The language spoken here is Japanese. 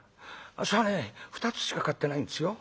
あっしはね２つしか買ってないんですよ。